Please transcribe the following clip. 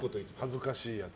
恥ずかしいやつ。